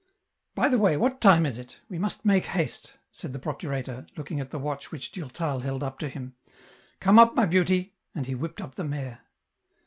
" By the way, what time is it ? We must make haste,' said the procurator, looking at the watch which Durtal held up to him. " Come up, my beauty," and he whipped up the mare.